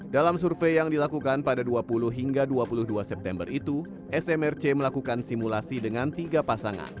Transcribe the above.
dalam survei yang dilakukan pada dua puluh hingga dua puluh dua september itu smrc melakukan simulasi dengan tiga pasangan